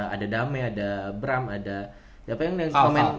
ada dame ada bram ada apa yang dikoment